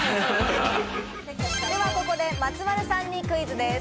ではここで松丸さんにクイズです。